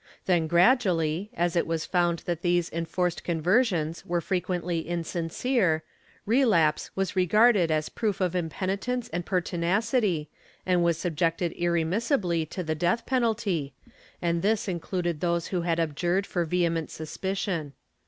Then gradually, as it was found that these enforced conversions were frequently insin cere, relapse was regarded as proof of impenitence and pertinacity and was subjected irremissibly to the death penalty, and this included those who had abjured for vehement suspicion.